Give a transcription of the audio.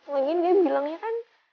lagian dia bilangnya kan